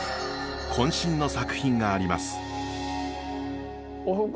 こん身の作品があります。